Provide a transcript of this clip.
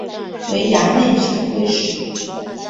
为衙内指挥使。